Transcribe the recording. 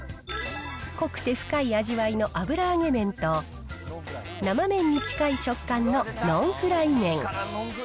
濃くて深い味わいの油揚げ麺と生麺に近い食感のノンフライ麺。